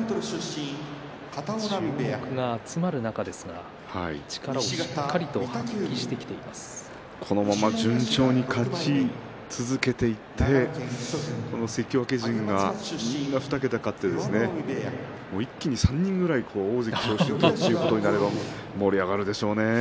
注目が集まる中ですがこのまま順調に勝ち続けていって関脇陣がみんな２桁勝って一気に３人ぐらい大関に昇格ということになれば盛り上がるでしょうね。